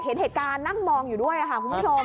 เหตุการณ์นั่งมองอยู่ด้วยคุณผู้ชม